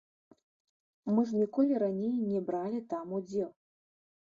Мы ж ніколі раней не бралі там удзел.